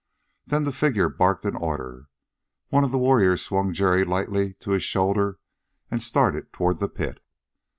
Then the figure barked an order. One of the warriors swung Jerry lightly to his shoulder, and started toward the pit.